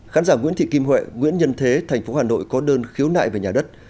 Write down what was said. khán giả nguyễn thị kim huệ nguyễn nhân thế tp hà nội có đơn khiếu nại về nhà đất